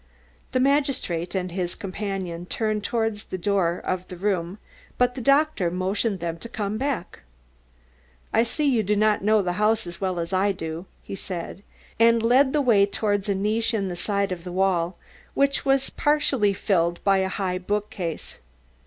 The magistrate and his companion turned towards the door of the room but the doctor motioned them to come back. "I see you do not know the house as well as I do," he said, and led the way towards a niche in the side of the wall, which was partially filled by a high bookcase.